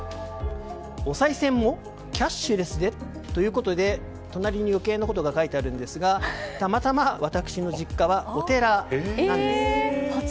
おさい銭もキャッシュレスでということで隣に余計なことが書いてあるんですがたまたま私の実家はお寺なんです。